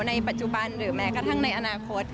ในปัจจุบันหรือแม้กระทั่งในอนาคต